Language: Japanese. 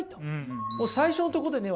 最初のとこでね